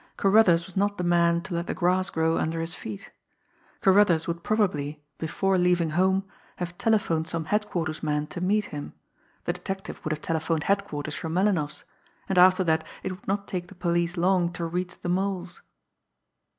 Carruthers was not the man to let the grass grow under his feet! Carruthers would probably, before leaving home, have telephoned some Headquarters' man to meet him the detective would have telephoned Headquarters from Melinoff's and after that it would not take the police long to reach the Mole's!